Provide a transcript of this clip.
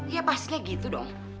ya pastinya gitu dong